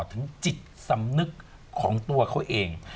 ถึงจิตสำนึกของตัวเขาเอง